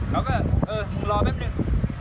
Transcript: แล้วก็เออมึงรอแป๊บหนึ่ง